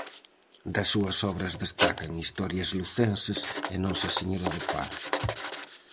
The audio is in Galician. Das súas obras destacan Historias Lucenses e Nosa Señora do Faro.